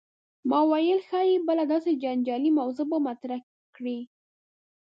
ما ویل ښايي بله داسې جنجالي موضوع به مطرح کړې.